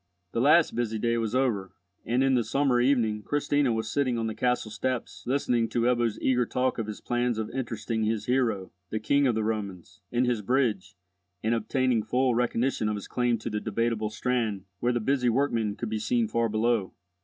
The last busy day was over, and in the summer evening Christina was sitting on the castle steps listening to Ebbo's eager talk of his plans of interesting his hero, the King of the Romans, in his bridge, and obtaining full recognition of his claim to the Debateable Strand, where the busy workmen could be seen far below.